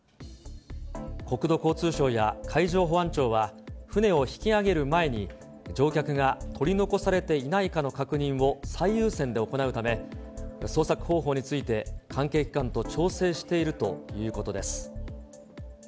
国土交通省や海上保安庁は船を引き揚げる前に、乗客が取り残されていないかの確認を最優先で行うため、捜索方法について関係機関と調整しているということです。